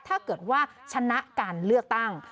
ถ้าเกิดว่าชนะการเลือกตั้ง